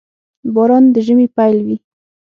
• باران د ژمي پيل وي.